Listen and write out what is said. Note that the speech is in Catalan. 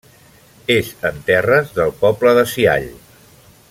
És en terres del poble de Siall.